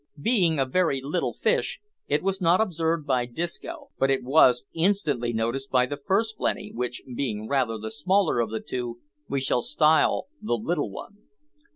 Being a very little fish, it was not observed by Disco, but it was instantly noticed by the first blenny, which, being rather the smaller of the two, we shall style the Little one.